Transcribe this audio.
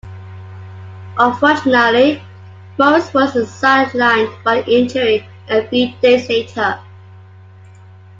Unfortunately, Morris was sidelined by an injury a few days later.